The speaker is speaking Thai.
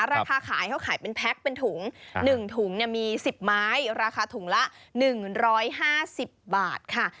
ราคาขายเขาขายเป็นแพ็คเป็นถุง๑ถุงมี๑๐ไม้ราคาถุงละ๑๕๐บาทค่ะ